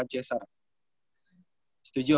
setuju apa gak setuju